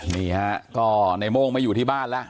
นี่ฮะก็ในโม่งไม่อยู่ที่บ้านแล้ว